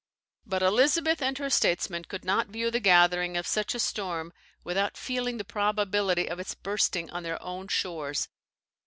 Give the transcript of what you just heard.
But Elizabeth and her statesmen could not view the gathering of such a storm without feeling the probability of its bursting on their own shores.